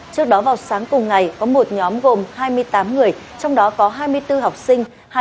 trước đó vào sáng cùng ngày có một nhóm gồm hai mươi tám người trong đó có hai mươi bốn học sinh